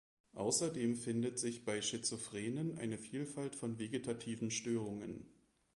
Außerdem findet sich bei Schizophrenen eine Vielfalt von vegetativen Störungen.